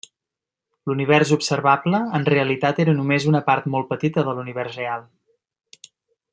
L'univers observable en realitat era només una part molt petita de l'univers real.